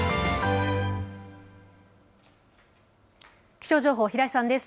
気象情報、平井さんです。